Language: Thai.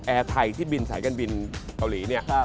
ไทยที่บินสายการบินเกาหลีเนี่ย